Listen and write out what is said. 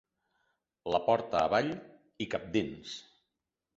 La porta avall i, cap dins.